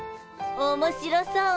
おもしろそうね